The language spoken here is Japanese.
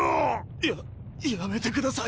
ややめてください